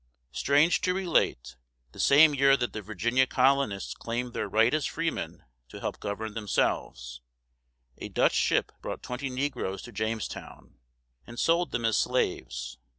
Strange to relate, the same year that the Virginia colonists claimed their right as freemen to help govern themselves, a Dutch ship brought twenty negroes to Jamestown, and sold them as slaves.